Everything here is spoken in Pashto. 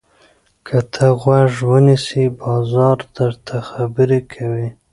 که ته غوږ ونیسې، بازار درته خبرې کوي.